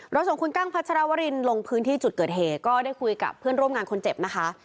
ส่งคุณกั้งพัชรวรินลงพื้นที่จุดเกิดเหตุก็ได้คุยกับเพื่อนร่วมงานคนเจ็บนะคะ